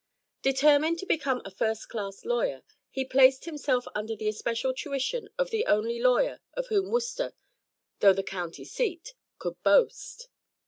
Determined to become a first class lawyer, he placed himself under the especial tuition of the only lawyer of whom Worcester, though the county seat, could boast.